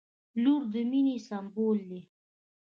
• لور د مینې سمبول دی.